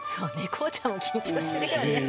ＫＯＯちゃんも緊張するよね